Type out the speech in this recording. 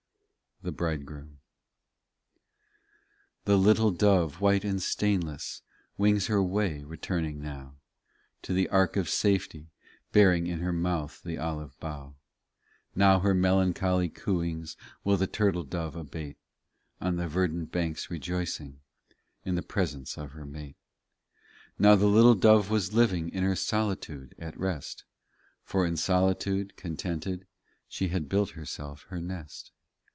THE BRIDEGROOM 34 The little dove, white and stainless, Wings her way, returning now, To the ark of safety, bearing In her mouth the olive bough. Now her melancholy cooings Will the turtle dove abate, On the verdant banks rejoicing In the presence of her mate. 35 Now the little dove was living In her solitude at rest ; For in solitude, contented, She had built herself her nest.